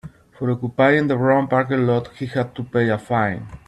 For occupying the wrong parking lot he had to pay a fine.